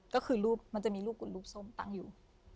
ก็คือรูปมันจะมีลูกกุดลูกส้มตั้งอยู่